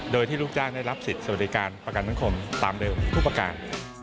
โดยที่ลูกจ้างได้รับสิทธิ์สวัสดิการประกันสังคมตามเร็วทุกประการ